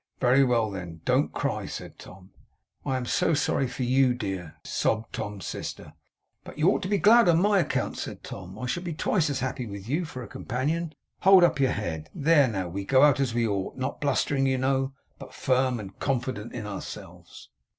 'Very well, then! Don't cry!' said Tom. 'I am so sorry for YOU, dear,' sobbed Tom's sister. 'But you ought to be glad on my account,' said Tom. 'I shall be twice as happy with you for a companion. Hold up your head. There! Now we go out as we ought. Not blustering, you know, but firm and confident in ourselves.